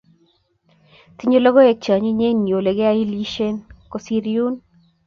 tinyei logoek cheonyinyen yuu olegealishen kosiir yuun